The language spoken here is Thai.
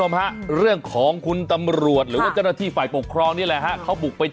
แม่ต่อมาแม่ไม่เล่นแล้วกับกิน